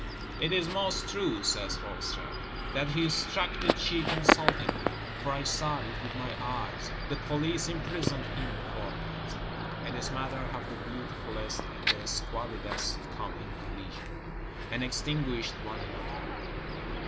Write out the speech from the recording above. "It is most true," says Forster, "that he struck the cheek insultingly; for I saw it with my eyes; the Police imprisoned him for it." In this manner have the Beautifulest and the Squalidest come in collision, and extinguished one another.